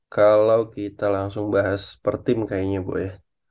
kalau kita langsung bahas per team kayaknya bu ya